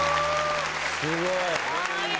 すごい。